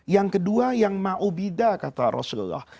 yang kedua yang mahumida kata rasulullah